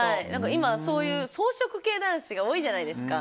今、そういう草食系男子が多いじゃないですか。